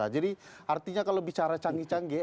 jadi artinya kalau bicara canggih canggih